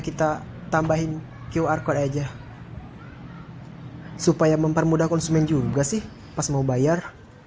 kita tambahin qr code aja supaya mempermudah konsumen juga sih pas mau bayar